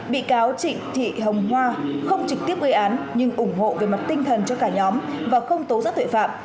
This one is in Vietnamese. bị cáo trịnh thị hồng hoa không trực tiếp gây án nhưng ủng hộ về mặt tinh thần cho cả nhóm và không tố giác tội phạm